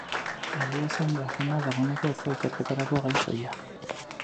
Egia esan, grafenoa dagoeneko ez da ikerketarako gai soila.